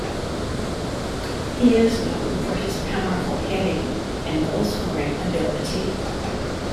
He is known for his powerful heading and goal scoring ability.